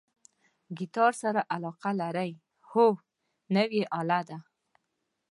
ګیتار سره علاقه لرئ؟ هو، نوی آله ده